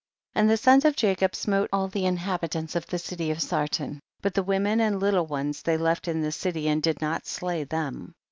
49. And the sons of Jacob smote all the inhabitants of the city of Sar ton, but the women and little ones ihey left in the city and did not slay them.